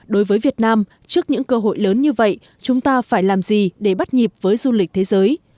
đối với việt nam trước những cơ hội lớn như vậy chúng ta phải làm gì để bắt nhịp với du lịch thế giới